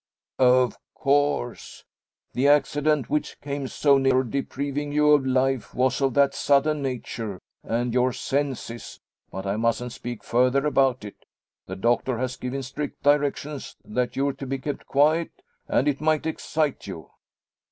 "Of course. The accident which came so near depriving you of life was of that sudden nature; and your senses but I mustn't speak further about it. The doctor has given strict directions that you're to be kept quiet, and it might excite you.